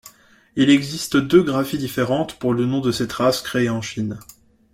Il existe deux graphies différentes pour le nom de cette race créée en Chine.